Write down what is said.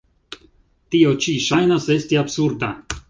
Tio ĉi ŝajnas esti absurda.